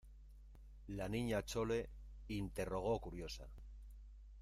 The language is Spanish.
la Niña Chole interrogó curiosa: